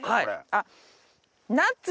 あっ。